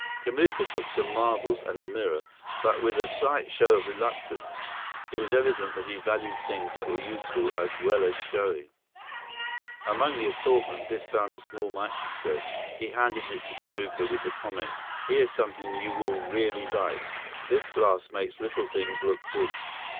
Kamuka took some marbles and a mirror, but with a slight show of reluctance. It was evident that he valued things that were useful as well as showy. Among the assortment, Biff found a small microscope. He handed it to Kamuka with the comment: "Here's something you will really like. This glass makes little things look big."